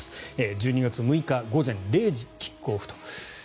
１２月６日午前０時キックオフと。